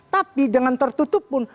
tapi dengan tertutup pun